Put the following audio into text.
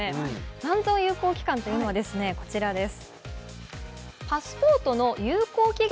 残存有効期間というのはこちらです。